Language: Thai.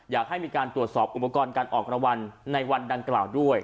อยากให้มีการตรวจสอบอุปกรณ์การออกรางวัลในวันดังกล่าวด้วย